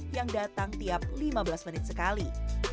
yang datang tiap lima belas menit sekali